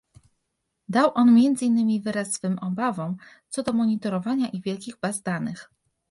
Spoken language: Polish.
Dał on między innymi wyraz swym obawom co do monitorowania i wielkich baz danych